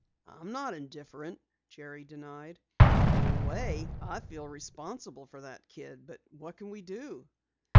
"I'm not indifferent," Jerry denied. "In a way I feel responsible for that kid. But what can we do?"